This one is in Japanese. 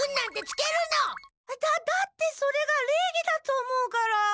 だだってそれがれいぎだと思うから。